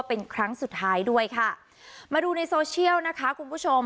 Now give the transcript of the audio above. เป็นครั้งสุดท้ายด้วยค่ะมาดูในโซเชียลนะคะคุณผู้ชม